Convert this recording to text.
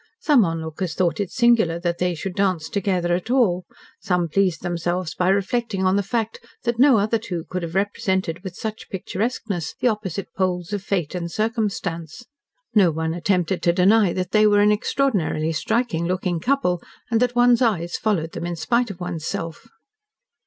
Some onlookers thought it singular that they should dance together at all, some pleased themselves by reflecting on the fact that no other two could have represented with such picturesqueness the opposite poles of fate and circumstance. No one attempted to deny that they were an extraordinarily striking looking couple, and that one's eyes followed them in spite of one's self.